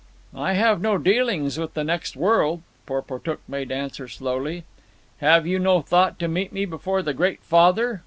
"I have no dealings with the next world," Porportuk made answer slowly. "Have you no thought to meet me before the Great Father!"